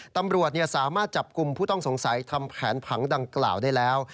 ตำรวจสามารถจับกลุ่มผู้ต้องสงสัยทำแผนผังดังกล่าวได้แล้ว